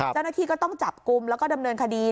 เจ้าหน้าที่ก็ต้องจับกลุ่มแล้วก็ดำเนินคดี